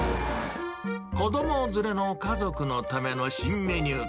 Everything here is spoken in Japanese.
子ども連れの家族のための新メニュー。